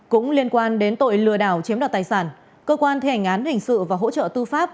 cũng liên quan đến tội lừa đảo chiếm đoạt tài sản cơ quan thi hành án hình sự và hỗ trợ tư pháp